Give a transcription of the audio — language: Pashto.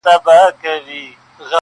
زما پر ټوله وجود واک و اختیار ستا دی.